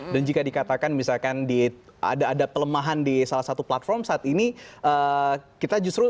dan jika dikatakan misalkan ada ada pelemahan di salah satu platform saat ini kita justru